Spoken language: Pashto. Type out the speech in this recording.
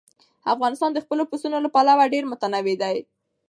افغانستان د خپلو پسونو له پلوه ډېر متنوع دی.